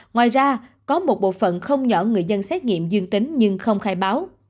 ngoài ra có một bộ phận không nhỏ người dân xét nghiệm dương tính nhưng không khai báo